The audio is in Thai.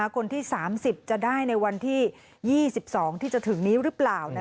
คนที่๓๐จะได้ในวันที่๒๒ที่จะถึงนี้หรือเปล่า